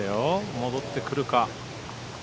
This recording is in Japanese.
戻ってくるか。